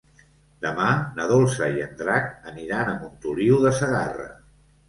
Demà na Dolça i en Drac aniran a Montoliu de Segarra.